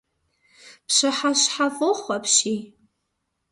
Пщыхьэщхьэфӏохъу апщий!